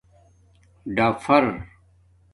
ڈَفَر